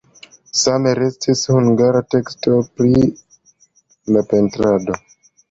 Same restis hungara teksto pri la pentrado.